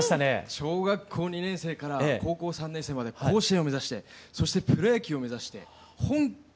小学校２年生から高校３年生まで甲子園を目指してそしてプロ野球を目指して本気で野球をやってたんですね。